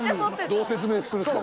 どう説明するんですか？